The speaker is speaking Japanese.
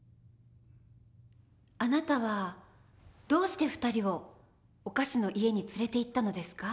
あなたはどうして２人をお菓子の家に連れていったのですか？